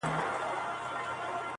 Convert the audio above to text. • د خپل ګران وجود په وینو لویوي یې -